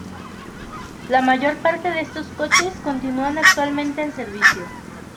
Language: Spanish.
La mayor parte de estos coches continúan actualmente en servicio.